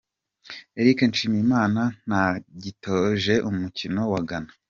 Eric Nshimiyimana ntagitoje umukino wa Ghana.